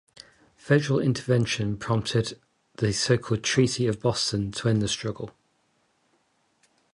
Federal intervention prompted the so-called "Treaty of Boston" to end the struggle.